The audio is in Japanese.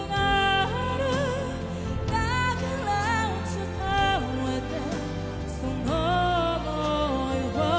「だから伝えてその想いを」